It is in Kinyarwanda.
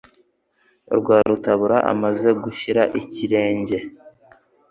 Rwarutabura amaze gushyira ikirenge